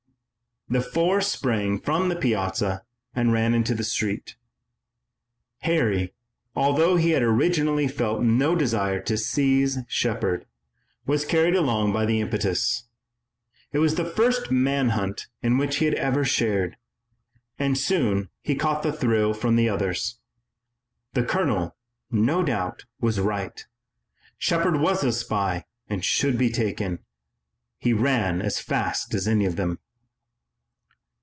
The four sprang from the piazza and ran into the street. Harry, although he had originally felt no desire to seize Shepard, was carried along by the impetus. It was the first man hunt in which he had ever shared, and soon he caught the thrill from the others. The colonel, no doubt, was right. Shepard was a spy and should be taken. He ran as fast as any of them.